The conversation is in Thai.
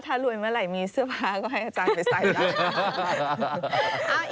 ถ้ารวยเมื่อไหร่มีเสื้อผ้าก็ให้อาจารย์ไปใส่ได้